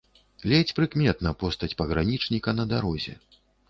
Ледзь прыкметна постаць пагранічніка на дарозе.